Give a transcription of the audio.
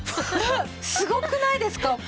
ねっすごくないですか？